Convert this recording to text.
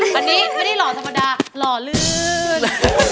เพราะนี่แล้วนี่เหมาะธรรมดาหล่อเลื่อด